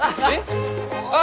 ああ！